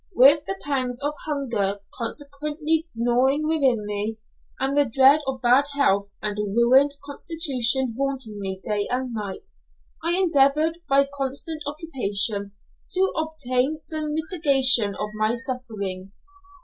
With the pangs of hunger constantly gnawing within me, and the dread of bad health and a ruined constitution haunting me day and night, I endeavoured by constant occupation to obtain some mitigation of my sufferings.